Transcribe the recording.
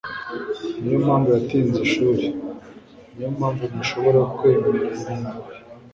Niyo mpamvu yatinze ishuri. Niyo mpamvu ntashobora kwemeranya nawe